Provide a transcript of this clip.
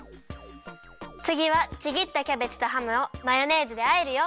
つぎはちぎったキャベツとハムをマヨネーズであえるよ。